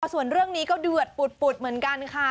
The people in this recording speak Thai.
ส่วนเรื่องนี้ก็เดือดปุดเหมือนกันค่ะ